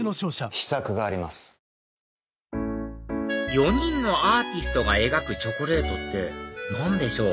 ４人のアーティストが描くチョコレートって何でしょう？